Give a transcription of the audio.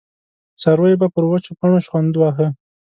څارويو به پر وچو پاڼو شخوند واهه.